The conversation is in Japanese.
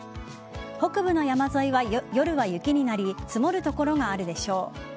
北部の山沿いは、夜は雪になり積もる所があるでしょう。